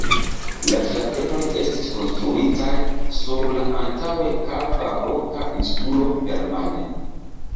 La ĝardenoj estis konstruitaj sur la antaŭe kalva roka insulo permane.